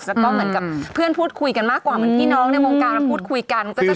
แล้วก็เหมือนกับเพื่อนพูดคุยกันมากกว่าเหมือนพี่น้องในวงการเราพูดคุยกัน